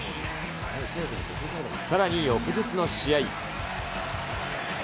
さらに翌日の試合。